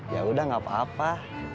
ya udah gak apa apa